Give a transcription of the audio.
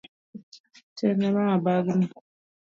Terne mama bagni